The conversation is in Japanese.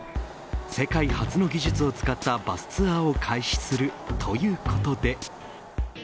世界初の技術を使ったバスツアーを開始するということで。